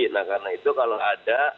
nah karena itu kalau ada